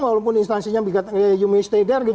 walaupun instansinya bktk umstdr gitu